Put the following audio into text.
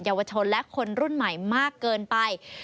เยาวชนและคนรุ่นใหม่มากเกินไป